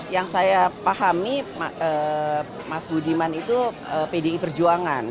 yang saya pahami mas budiman itu pdi perjuangan